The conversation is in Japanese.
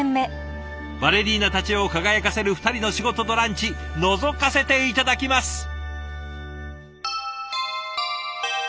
バレリーナたちを輝かせる２人の仕事とランチのぞかせて頂きます。